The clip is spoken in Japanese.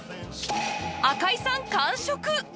赤井さん完食！